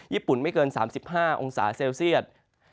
ญี่ปุ่นไม่เกิน๓๕องศาเซลเซียต